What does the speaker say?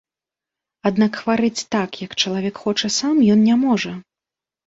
Аднак хварэць так, як чалавек хоча сам, ён не можа.